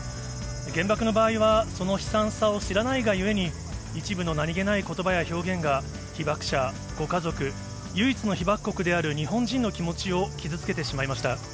原爆の場合はその悲惨さを知らないがゆえに、一部の何気ないことばや表現が被爆者、ご家族、唯一の被爆国である日本人の気持ちを傷つけてしまいました。